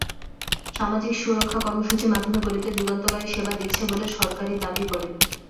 সামাজিক সুরক্ষা কর্মসূচির মাধ্যমে গরিবদের যুগান্তকারী সেবা দিচ্ছে বলে সরকার দাবি করে।